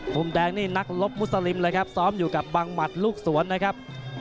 มุมแดงนี่นักลบมุสลิมเลยครับซ้อมอยู่กับบังหมัดลูกสวนนะครับ